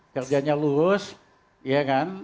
kerjanya lurus ya kan